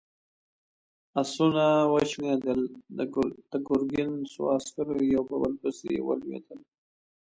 آسونه وشڼېدل، د ګرګين څو عسکر يو په بل پسې ولوېدل.